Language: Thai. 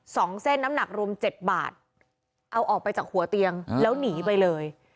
สองเส้นน้ำหนักรวมเจ็ดบาทเอาออกไปจากหัวเตียงแล้วหนีไปเลย